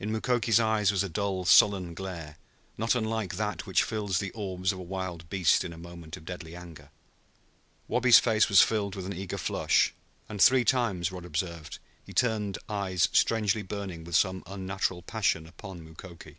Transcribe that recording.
In Mukoki's eyes was a dull sullen glare, not unlike that which fills the orbs of a wild beast in a moment of deadly anger. Wabi's face was filled with an eager flush, and three times, Rod observed, he turned eyes strangely burning with some unnatural passion upon Mukoki.